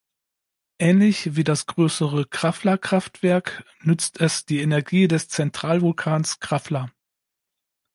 Ähnlich wie das größere Krafla-Kraftwerk nützt es die Energie des Zentralvulkans Krafla.